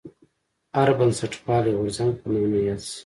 هر بنسټپالی غورځنګ په نامه یاد شي.